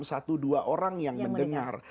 satu dua orang yang mendengar